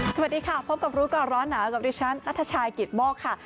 สวัสดีค่ะพบกับรู้ก่อนร้อนหนาวกับดิฉันนัทชายกิตโมกค่ะ